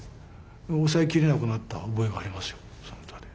抑えきれなくなった覚えがありますよ。